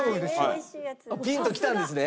ピンときたんですね。